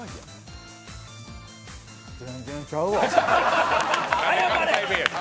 全然ちゃうわ。